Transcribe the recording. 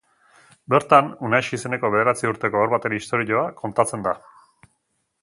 Bertan, Unax izeneko bederatzi urteko haur baten istorioa kontatzen da.